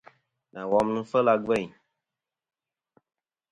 Nà wom nɨ̀n fêl a gvêyn.